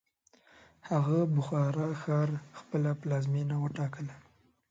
هغه بخارا ښار خپله پلازمینه وټاکله.